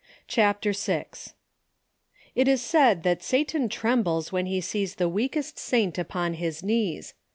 CHAPTEH YL It is said that Satan trembles when he sees the weakest saint upon his knees.